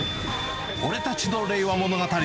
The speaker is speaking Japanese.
俺たちの令和物語。